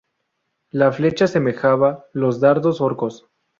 La flecha asemejaba los dardos orcos.